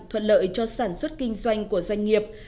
thuận lợi cho sản xuất kinh doanh của doanh nghiệp